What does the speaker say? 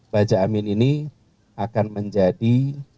bajamin ini akan menjadi